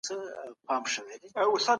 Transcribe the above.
په علم کې بايد تجربه تکرار سي.